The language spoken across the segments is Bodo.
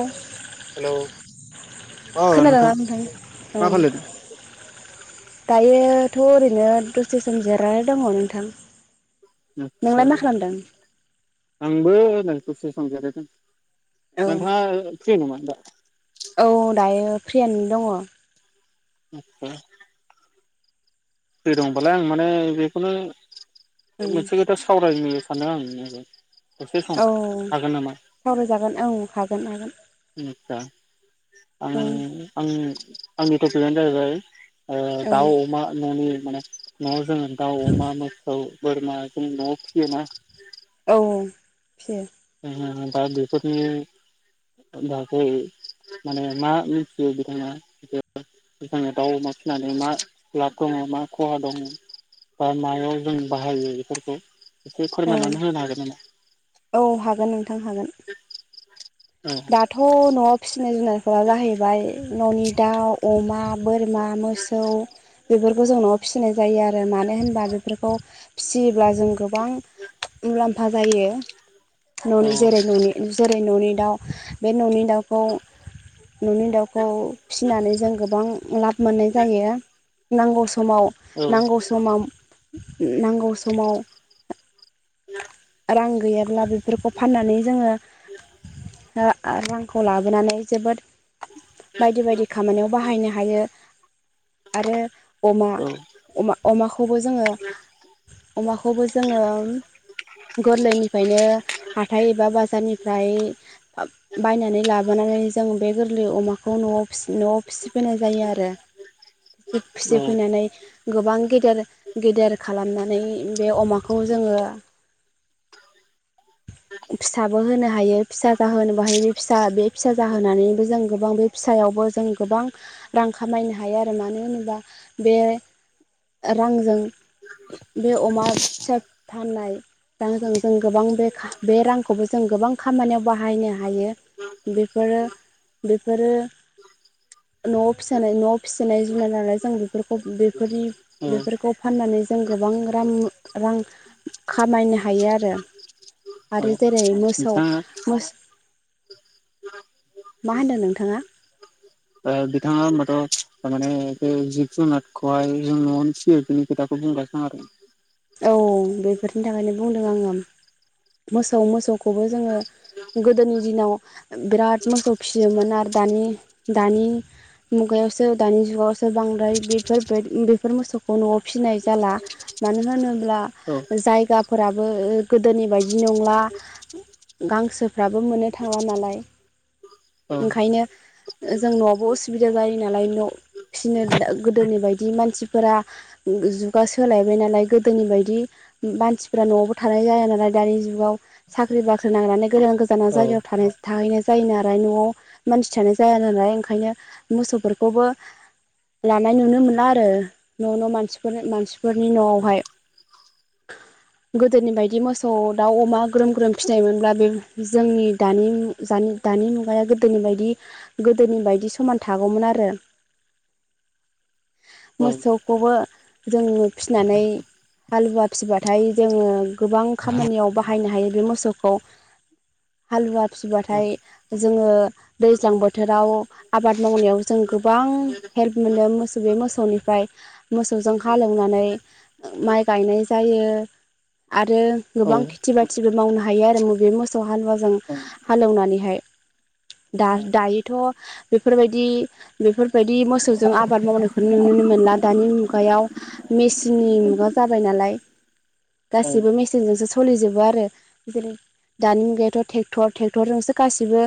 औ हेलौ खोनादोंना नोंथां औ मा खालायदों दायोथ' ओरैनो दसे सम जिरनानै दङ नोंथां नोंलाय आतसा मा खालामदों आंबो हो दसे सम जेरदों औ नोंथाङा फ्रि नमा दा औ दायो फ्रियानो दङ आ फ्रि दंबालाय आं माने बेखौनो दङ मोनसे खोथा सावरानो सान्दों आं दसे सम औ हागोन नामा सावराय जागोन औ हागोन हागोन आस्सा आं औ आं आंनि टपिकआनो जाहैबाय ओ औ दाउ अमा न'नि माने न'आव जोङो दाउ अमा मोसौ बोरमा जों न आव फियोना औ फियो दा बेफोरनि बागै माने मा मिथियो बिथाङा जे दाउ अमा फिसिनानै मा लाब दङ मा खहा दं बा मायाव जों बाहायो बेफोरखौ एसे फोरमायनानै होनो हागोन नामा औ हागोन नोंथां हागोन औ दाथ' न'आव फिसिनाय जुनारफोरा जाहैबाय न'नि दाउ अमा बोरमा मोसौ बेफोरखौ जों न'आव फिसिनाय जायो आरो मानो होनबा बेफोरखौ फिसियोब्ला जों गोबां गोबां मुलाम्फा जायो औ न'नि जेरै न'नि जेरै न'नि दाउ बे न'नि दाउखौ न'नि दाउखौ फिसिनानै जों गोबां लाब मोननाय जायो नांगौ सम औ नांगौ समाव नांगौ समाव रां गैयाब्ला बेफोरखौ फाननानै जोङो रांखौ लाबोनानै जोबोद बायदि बायदि खामानियाव बाहायनो हायो आरो अमा अमाखौबो जोङो अमाखौबो जोङो गोरलैनिफ्रायनो हाथाय एबा बाजारनिफ्राय बायनानै लाबोनानै जों बे गोरलै अमाखौ न'आव न'आव फिसिबोनाय जायो आरो औ फिसि फैनानै गोबां गेदेर गेदेर खालामनानै बे अमाखौ जों जोङो फिसाबो होनो हायो फिसा जाहोनो बाहाय बे फिसा बे फिसा जाहोनानैबो जों गोबां बे फिसा बेयावबो जों गोबां रां खामायनो हायो आरो मानो होनोबा बे रांजों बे अमा फिसा फाननाय रांजों जों गोबां बे बे रांखौबो जों गोबां खामानियाव बाहायनो हायो बेफोरो बेफोरो न'आव फिसानाय न' फिसिनाय जुनार लानाय जों बेफोरखौ बेफोरनि औ बेफोरखौ फाननानै जों गोबां रां रां खामायनो हायो आरो औ आरो जेरै मोसौ बिथाङा मा होनो नोंथाङा? ओ बिथाङा होमबाथ' थारमानि बे जिब जुनारखौहाय जों न'आवनो फिसियो बेनि खोथाखौ बुंलाय खोनादों। औ बेफोरनि थाखायनो बुंदों आङो मोसौ मोसौ खौबो जोङो गोदोनि दिनाव बिराद मोसौ फिसियोमोन आरो दानि दानि मुगायावसो दानि जुगावसो बांद्राय बेफोर बेफोर मोसौखौ न'आव फिसिनाय जाला मानो होनोब्ला औ जायगाफोराबो गोदोनि बायदि बिदि नंला गांसोफ्राबो मोननो थाङा नालाय औ ओंखायनो जों न'आवबो असुबिदा जायो नालाय न' फिसिनो गोदोनि बायदि मानसिफोरा जुगा सोलायबाय नालाय गोदोनि बायदि मानसिफ्रा न'आवबो थानाय जाया नालाय दानि जुगाव साख्रि बाख्रि नांनानै गोदान गोजानाव औ जायगायाव थानाय थाहैनाय जायो नालाय न'आव मानसि थानाय जाया नालाय ओंखायनो मोसौफोरखौबो लानाय नुनो मोना आरो न' न' मानसिफोर मानसिफोरनि न'आवहाय [inaudible] गोदोनि बायदि मोसौ दाउ अमा ग्रोम ग्रोम फिसिनायमोनब्ला बे जोंनि दानि जानि दानि मुगाया गोदोनि बायदि गोदोनि बायदि समान थागौमोन आरो औ मोसौखौबो जोङो फिनानै हालुवा फिसिबाथाय जोङो गोबां खामानियाव बाहायनो हायो बे मोसौखौ हालुवा फिसिबाथाय जोङो दैज्लां बोथोराव आबाद मावनायाव जों गोबां हेल्प मोनो मोसौ बे मोसौनिफ्राय मोसौजों हालेवनानै माइ गायनाय जायो आरो गोबां खेथि बाथिबो मावनो हायो आरो मोसौ हालुवाजों औ हालेवनानैहाय दा दायोथ' बेफोरबायदि बेफोरबायदि मोसौजों आबाद मावनायखौ नुनो नुनो मोनला दानि मुगायाव मेचिननि मुगा जाबाय नालाय गासिबो मेचिनजोंसो सोलिजोबो आरो जेरै दानि मुगायाथ' ट्रेक्टर ट्रेक्टरजोंसो गाबो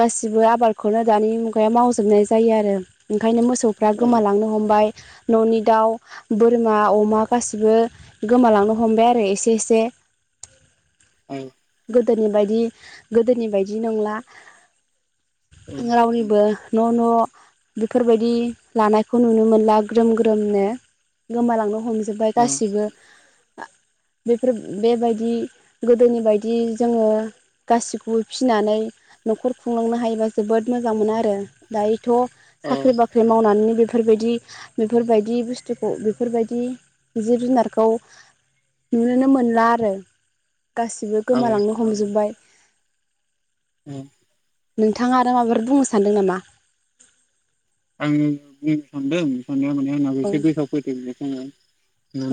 गासिबो आबादखौनो दानि मुगायाव मावजायो खोबनाय जायो आरो ओंखायनो मोसौफ्रा औ गोमालांनो हमबाय न'नि दाउ बोरमा अमा गासिबो गोमालांनो हमबाय आरो एसे एसे [inaudible] गोदोनि बायदि गोदोनि बायदि नंला रावनिबो न' न' बेफोरबायदि लानायखौ नुनो मोनला ग्रोम ग्रोमनो गोमालांनो हमजोब जोबबाय गासिबो बेफोर बेबायदि गोदोनि बायदि जोङो गासिखौबो फिसिनानै न'खर खुंलांनो हायोबा जोबोद मोजां मोनो आरो दायो थ' साख्रि बाख्रि मावनानै बेफोरबायदि बेफोरबायदि बुसथुखौ बेफोरबायदि जिब जुनारखौ नुनोनो मोनला आरो गासिबो औ गोमालांनो हमजोब्बाय। उम नोंथाङा आरो माबाफोर बुंनो सानदों नामा? आं बुंनो सान्दों [unintelligible] आंनाबो औ एसे गोसोआव फैदो बेखौनो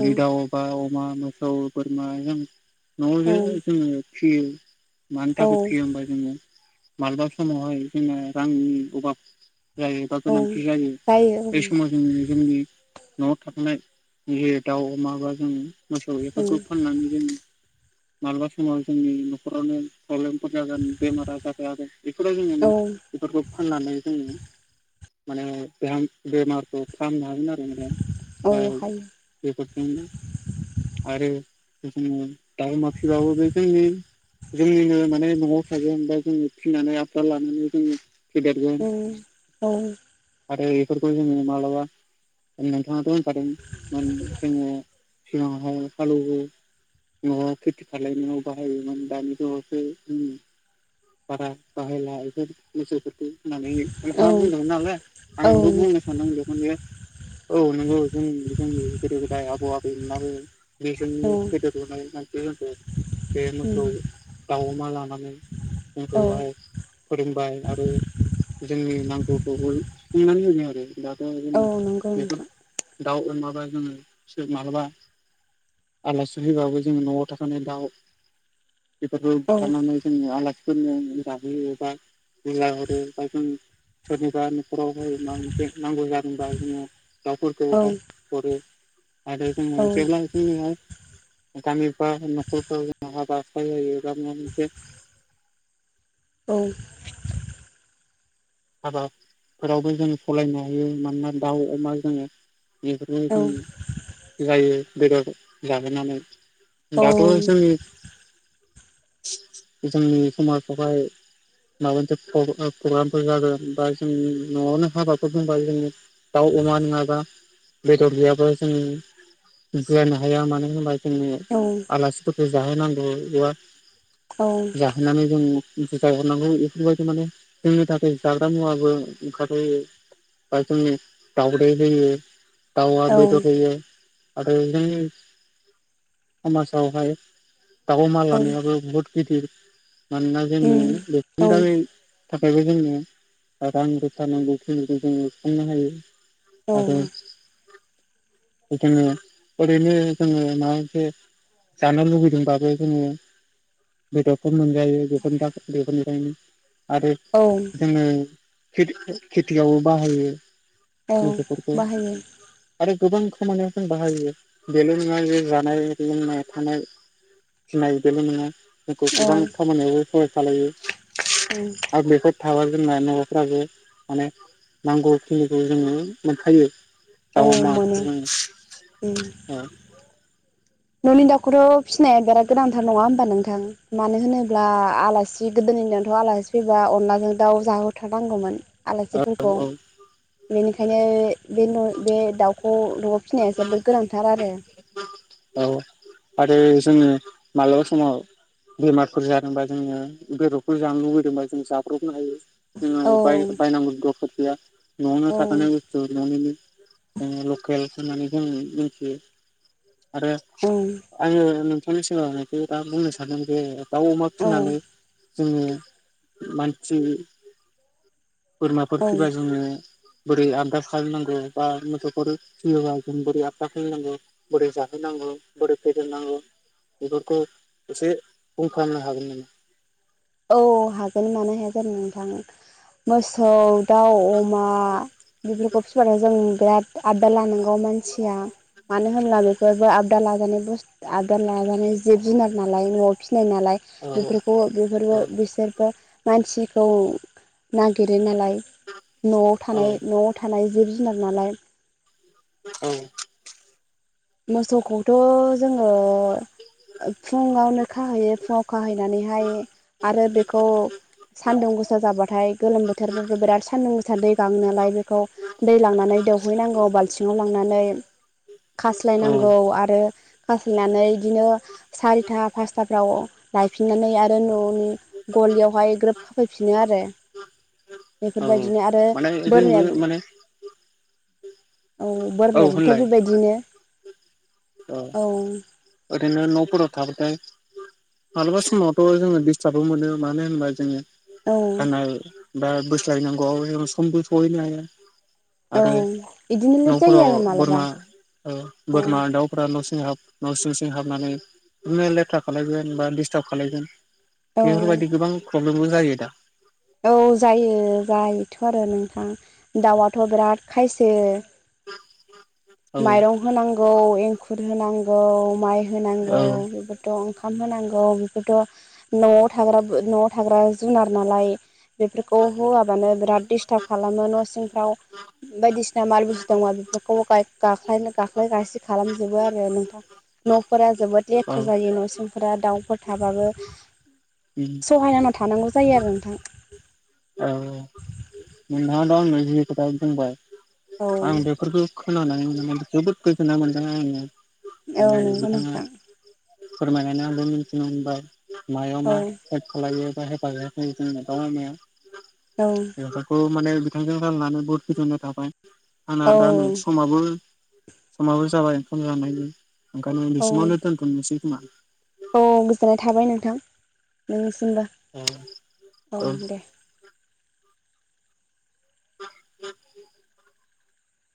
औ दाउ बा अमा, मोसौ, बोरमा जों न'आव अनेक औ जोङो फियो। मानि थाखाय औ फियो होमबा जोङो। मालाबा समावहाय जोंङो रांनि अभाब जायो। बा औ गोनांथि जायो, बे समाव जोंङो जोंनि न'आव थाखानाय जे दाउ, अमा बा जों मोसौ औ एफोरखौ फाननानै जों मालाबा समाव जोंनि न'खरावनो प्लबेम। जागोन बेमार आजार जागोन बेफोरो जोङो औ मोन बेफोरखौ फाननानै जोङो। माने बेराम बेमारखौ फाहामनो हागोन आरो। औ ओ हायो बेफोरथिं आरो जिखुनु दाउ अमा फिबाबो बे जोंनि जोंनिनो माने न'आव थागोन बा जोंनो फिनानै आबदाल लानानै जोंनि उम औ आरो इफोरखौ जोंङो मालाबा नोंथाङाथ' होनखादों मोन जोङो सिगाङावहाय हालौवो न'आव खेथि खालायनायाव बाहायोमोन दानि बावैसो जोंनि बारा बाहायला इफोर बुस्थुफोरखो होन्नानै औ नोंथाङा बुंदोंमोन नालाय। आंबो बुंनो सान्दों बेखौनो जे औ नंगौ जों जोंनि गोदो गोदाय आबौ आबैमोनाबो। औ बेजोंनो फेदेरबोनाय मानसि जोंखो बे मोसौ, दाउ, अमा लानानै औ जोंखौहाय फोरोंबाय आरो जोंनि नांगौखौबो। खुंनानै होबोबाय आरो दाथ' औ जोंनि नंगौ बेफोर नोंथां दाउ होन माबा जोङो माब्लाबा आलासि फैबाबो जोङो न'आव थाखानाय दाउ बेफोरखौ बुथारनानै जोङो आलासिफोरनो जाहोयो एबा। गुला हरि बा जों सोरनिबा [unintelligible] नांगौ जादोंबा जोङो दाउफोरखौ औ हरो। आरो जोङो औ जेब्ला जोंङोहाइ गामिफोराव होन न'खरफोराव जोंहा हाबा हुखा जायोबा मोनसे औ हाबाफोरावबो जों सलायनो हायो मानोना दाउ अमा जोङो बेफोरखौ औ जों जायो बेदर जाहोनानै। औ दाथ' जोंनि जोंनि समाजावहाय माबा मोनसे प-प्रग्राम फोर जागोन बा जोंनि न'आवनो हाबाफोर दंबा जोङो दाउ अमा नङाबा बेदर गैयाबा जों जुवानो हाया मानो होनबा। जोंनो औ आलासिफोरखौ जाहोनांगौ एबा जाहोनानै जों बुजाय हरनांगौ इफोरबायदि माने जोंनि दा जाग्रा मुवाबो ओंखारो बा जोंनि दावदै होयो। दाउआ बेदद होयो। आरो जोंनि समाजावहाय दाउ माल औ लानायाबो बहुत गिदिर मानोना जोङो बेसिनि थाखै थाखायबो जोङो रां रुफा नांगौखिनिखौ जोङो सुफुंनो हायो। औ आरो [unintelligible] ओरैनो जोंङो माबा मोनसे जानो लुबैदोंबाबो जोङो बेदरफोर मोनजायो बेफोरनि थाखाय बेफोरनिफ्रायनो आरो जोङो औ खेथियावबो बाहायो औ मोसौफोरखौ बाहायो आरो गोबां खामानियाव जों बाहायो बेल' नङा जानाय लोंनाय थानाय। फिनाय बेल नङा जोंखौ औ गोबां खामानियावबो सहाय खालायो आरो बेफोर थाबा जोंना न'फ्राबो माने नांगौखिनिखौ जोङो मोनखायो। औ दाव मोनो अमाखौ ओ न'नि दाउखौथ' फिसिनाया बिराद गोनांथार नङा होमबा नोंथां मानो होनोब्ला आलासि गोदोर जोंनाथ' आलासि फैबा अनलाजों दाउ जाहोथारनांगौमोन। औ आलासिफोरखौ औ बेनिखायनो बे न' बे दाउखौ न'आव फिनाया जोबोर गोनांथार आरो। औ आरो जोंङो माब्लाबा समाव बेमारफोर जादोंबा जोङो बेदरफोर जानो लुबैदोंबा जों जाब्रबनो हायो। औ जोंनाव बाय-बायनांगौनि दरखार गैया न'आवनो औ थाखानाय बस्तु न'निनो जोङो लकेल होननानै जों मिनथियो आरो औ आङो नों नोंनि सिगांआव दा बुंनो सानदों जे दाउ अमा औ फिनानै जोङो मानसि बोरमाफोर औ फिबा जोङो बोरै आदर खालायनांगौ बा मोसौफोर फियोब्ला जों बोरै आदर खालायनांगौ बोरै जा होनांगौ बोरै फेदेरनांगौ बेफोरखौ एसे बुंफामनो हागोन नामा? औ हागोन मानो हाया जानो नोंथां। मोसौ, दाउ, अमा बेफोरखौ फिबाथाय जों बिराद आबाद लानांगौ मा मानसिया मानो होनब्ला बेफोरबो आबदा लाजानाय बुसथ आदर लाजानाय जिब जुनार नालाय न'आव फि सिनाय नालाय औ बेफोरखौ बेफोरबो औ बिसोर बो मानसिखौ नागिरो नालाय न'आव औ थानाय न'आव थानाय जिब जुनार नालाय। ओं मोसौखौथ' जोङो फुङावनो खाहैयो फुङाव खाहैनानैहाय आरो बेखौ सान्दुं गोसा जाबाथाय गोलोम बोथोरबो बिराद सान्दुं गोसा दै गाङो नालाय बेखौ दै लांनानै दौहैनांगौ बालथिङाव लांनानै औ खास्लायनांगौ आरो खास्लायनानै बिदिनो सारिथा पासथाफ्राव लायफिननानै आरो न'नि गलियावहाय ग्रोब खाफैफिनो आरो औ बेफोरबायदिनो आरो माने जोंबो बोरमाया माने औ बोरमायाबोथ' बेबायदिनो। ओ औ ओरैनो न' [unintelligible] थाबाथाय मालाबा समावथ' जोङो डिस्टाबबो मोनो मानो होनबा जोङो औ खानाय बा बोस्लायनांगौआव जोङो समबो सहैनो हायो। औ आरो बिदिनो लेट जायो न'फोराव आरो मालाबा बोरमा औ बोरमा दाउ न'सिं हाब न' सिं सिं हाबनानै बिदिनो लेथ्रा खालायगोन बा दिसताब खालायगोन औ औ बेफोरबायदि गोबां प्रब्लेमबो जायो दा। औ जायो जायोथ' आरो नोंथां दाउआथ' बिराद खायसो औ माइरं होनांगौ एंखुर होनांगौ माइ औ होनांगौ बेफोरथ' ओंखाम होनांगौ बेफोरथ' न'आव थाग्रा न'आव थाग्रा जुनार नालाय बेफोरखौ होआबानो बिराद दिस्टार्ब खालामो न'सिंफ्राव। बायदिसिना माल बुस्थु दंबा बेफोरखौबो गाख गाख्लायनो गाख्लाय गासि खालामजोबो आरो नोंथां। न' फोरा जोबोद औ लेथ्रा जायो न' सिंफोरा दाउफोर थाबाबो सहायहाना थानांगौ जायो आरो नोंथां। औ औ नोंथाङा दा आंनो जि खोथाखौ बुंबाय औ आं बेफोरखौ खोनानानै जोबोद गोजोनाय मोनदों आरो ना। औ नंगौ नोंथां। फोरमायनानै आंबो मिथिनो मोनबाय मायाव मा औ जेब खालायो। हेफाज होफै [unintelligible] जों दया औ [unintelligible] बेफोरखौ माने बिथांजों रायलायनानै बहुत गोजोननाय थाबाय। आंना औ दा नै समाबो समाबो जाबाय ओंखाम जानायनि ओंखाम बिसिमावनो दोनथ'नोसै खोमा। औव गोजोननाय थाबाय नोंथां नोंनिसिम। दे ओमबा औ औव दे। [unintelligible]